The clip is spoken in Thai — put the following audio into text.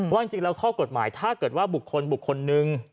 ว่าจริงแล้วข้อกฎหมายถ้าเกิดว่าบุคคลบุคคลนึง